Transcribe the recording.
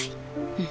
うん。